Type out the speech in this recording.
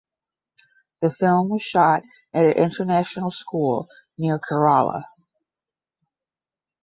The film was shot at an international school near Kerala.